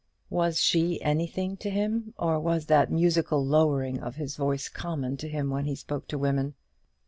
Was she anything to him, or was that musical lowering of his voice common to him when he spoke to women?